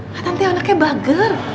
nathan teh anaknya bager